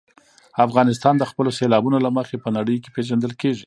افغانستان د خپلو سیلابونو له مخې په نړۍ کې پېژندل کېږي.